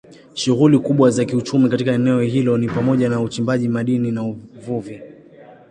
Shughuli kubwa za kiuchumi katika eneo hilo ni pamoja na uchimbaji madini na uvuvi.